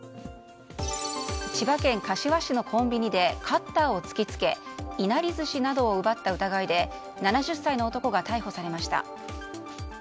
千葉県柏市のコンビニでカッターを突き付けいなり寿司などを奪った疑いで７０歳の男が逮捕されました。